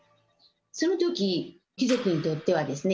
その時貴族にとってはですね